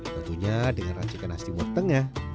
tentunya dengan racikan khas timur tengah